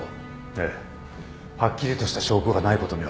ええ。はっきりとした証拠がないことには。